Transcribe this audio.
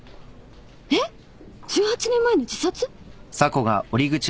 えっ１８年前の自殺！？